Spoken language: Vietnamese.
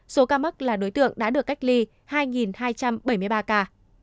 số ca mắc là đối tượng đã được cách ly hai hai trăm bảy mươi ba ca